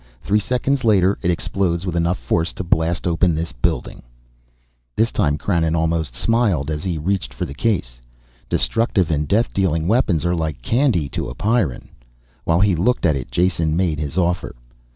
Three seconds later it explodes with enough force to blast open this building." This time Krannon almost smiled as he reached for the case. Destructive and death dealing weapons are like candy to a Pyrran. While he looked at it Jason made his offer.